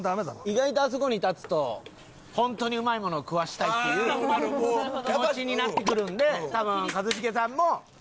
意外とあそこに立つと本当にうまいものを食わせたいっていう気持ちになってくるんで多分一茂さんも。